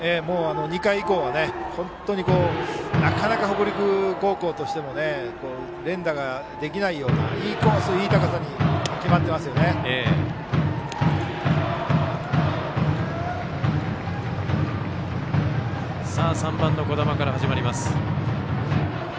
２回以降はなかなか北陸高校としても連打ができないようないいコース、いい高さに３番、児玉から始まります。